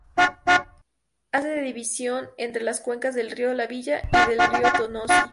Hace de división entre las cuencas del río La Villa y del río Tonosí.